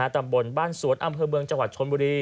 ตำบลบ้านสวนอำเภอเมืองจังหวัดชนบุรี